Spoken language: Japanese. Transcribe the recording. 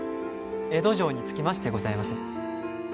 江戸城に着きましてございます。